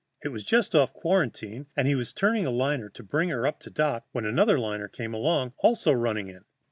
It was just off quarantine, and he was turning a liner to bring her up to dock when another liner came along, also running in.